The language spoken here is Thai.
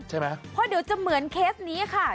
เพราะเดี๋ยวจะเหมือนเคสนี้ค่ะ